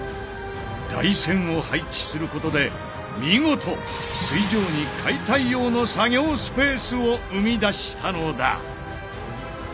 台船を配置することで見事水上に解体用の作業スペースを生み出したのだ！